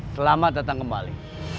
selamat datang kembali